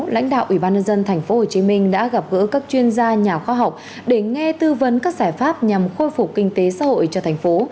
lãnh đạo ủy ban nhân dân tp hcm đã gặp gỡ các chuyên gia nhà khoa học để nghe tư vấn các giải pháp nhằm khôi phục kinh tế xã hội cho thành phố